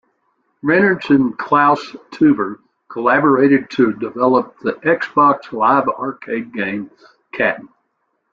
Reynolds and Klaus Teuber collaborated to develop the Xbox Live Arcade game "Catan".